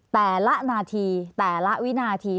แต่ละนาทีแต่ละวินาที